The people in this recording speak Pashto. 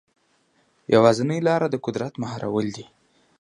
یوازینۍ لاره د قدرت مهارول دي.